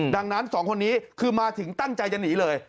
ดังนั้นสองคนนี้คือมาถึงตั้งใจจะหนีเลย